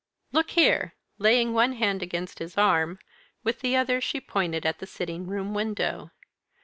"Look here!" Laying one hand against his arm, with the other she pointed at the sitting room window.